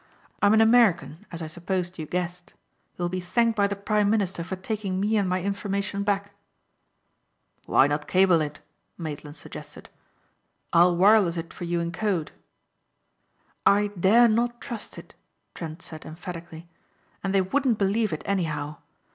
I'm an American as I supposed you guessed. You will be thanked by the prime minister for taking me and my information back." "Why not cable it?" Maitland suggested, "I'll wireless it for you in code." "I dare not trust it," Trent said emphatically, "and they wouldn't believe it anyhow.